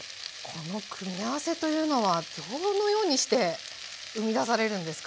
この組み合わせというのはどのようにして生み出されるんですか？